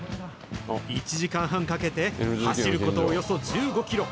１時間半かけて、走ることおよそ１５キロ。